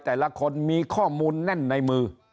แต่ละคนมีข้อมูลแน่นในมือ